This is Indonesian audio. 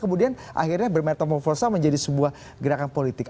kemudian akhirnya bermertomoforsa menjadi sebuah gerakan politik